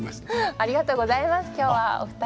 ありがとうございますお二人。